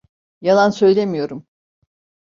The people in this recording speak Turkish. Yalan söylemiyorum.